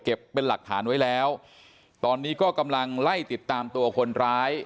เป็นหลักฐานไว้แล้วตอนนี้ก็กำลังไล่ติดตามตัวคนร้าย